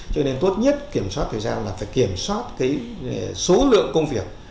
cho nên tốt nhất kiểm soát thời gian là phải kiểm soát cái số lượng công việc